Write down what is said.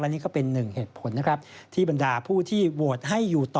นี่ก็เป็นหนึ่งเหตุผลนะครับที่บรรดาผู้ที่โหวตให้อยู่ต่อ